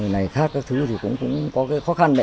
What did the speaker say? này khác các thứ thì cũng có cái khó khăn đấy